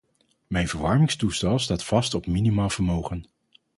Mijn verwarmingstoestel staat vast op minimaal vermogen.